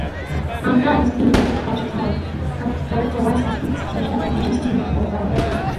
Adrar is mainly an agricultural town, characterized by its traditional irrigation system, the "Foggara".